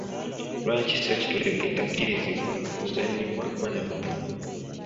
Lwaki Ssekitulege takkirizibwa kuzannyibwa baana bawala?